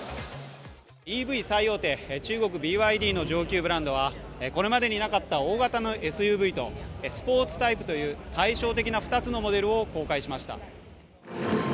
ＥＶ再大手、中国ＢＹＤの上級ブランドはこれまでになかった大型のＳＵＶとスポーツタイプという対照的な２つのモデルを公開しました。